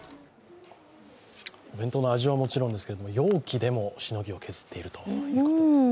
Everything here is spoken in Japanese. お弁当の味はもちろんですけれども、容器でも容器でもしのぎを削っているということですね。